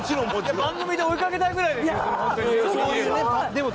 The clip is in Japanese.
番組で追いかけたいくらいですよ。